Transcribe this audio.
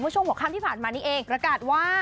ช่วงหัวค่ำที่ผ่านมานี้เองประกาศว่า